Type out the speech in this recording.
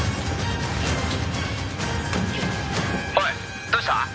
「おいどうした？」